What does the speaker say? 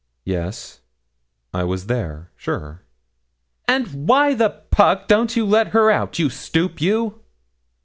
Yes, I was there, sure. 'And why the puck don't you let her out, you stupe, you?'